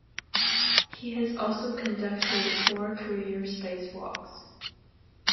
He has also conducted four career spacewalks.